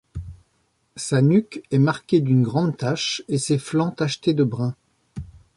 Sa nuque est marquée d'une grande tache et ses flancs tachetés de brun.